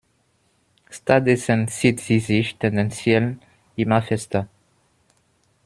Stattdessen zieht sie sich tendenziell immer fester.